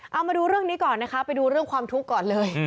เอามาดูเรื่องนี้ก่อนนะคะไปดูเรื่องความทุกข์ก่อนเลย